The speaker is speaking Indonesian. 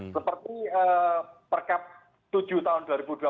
seperti perkab tujuh tahun dua ribu dua puluh dua